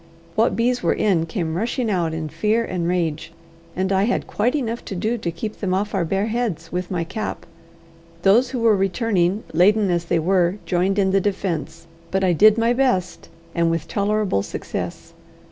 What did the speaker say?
What bees were in came rushing out in fear and rage, and I had quite enough to do to keep them off our bare heads with my cap. Those who were returning, laden as they were, joined in the defence, but I did my best, and with tolerable success.